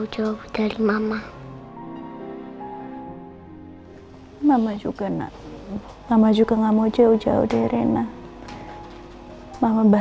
kok kau pake suhu emas itu ya